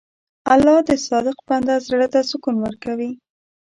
الله د صادق بنده زړه ته سکون ورکوي.